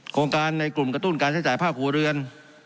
โครงการในกลุ่มกระตุ้นการใช้จ่ายภาคหัวเรือน